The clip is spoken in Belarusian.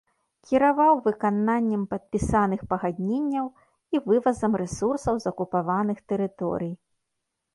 Кіраваў выкананнем падпісаных пагадненняў і вывазам рэсурсаў з акупаваных тэрыторый.